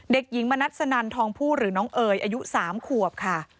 เด็กหญิงมณัสสนันทองผู้หรือน้องเอ๋ยอายุ๓ขวบค่ะ